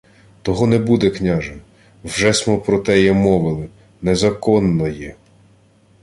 — Того не буде, княже. Вже смо про теє мовили. Незаконно є.